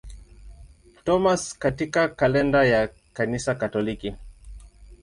Thomas katika kalenda ya Kanisa Katoliki.